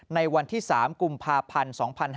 ในวันที่๓กุมภาพันธ์๒๕๕๙